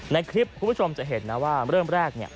ในคลิปคุณผู้ชมจะเห็นนะว่าเริ่มแรก